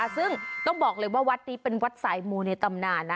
ซึ่งต้องบอกเลยว่าวัดนี้เป็นวัดสายมูในตำนานนะ